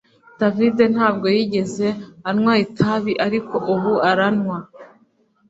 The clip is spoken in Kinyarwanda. David ntabwo yigeze anywa itabi ariko ubu aranywa